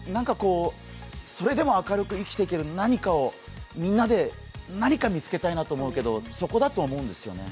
それでも明るく生きていける何かを、みんなで何か見つけたいなと思うけどそこだと思うんですよね。